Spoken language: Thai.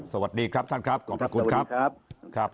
สวัสดีครับท่านครับขอบพระคุณครับครับ